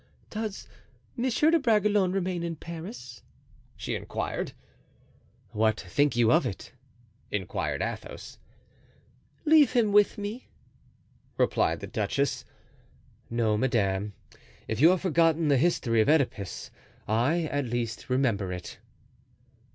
"Does Monsieur de Bragelonne remain in Paris?" she inquired. "What think you of it?" inquired Athos. "Leave him with me," replied the duchess. "No, madame; if you have forgotten the history of Oedipus, I, at least, remember it."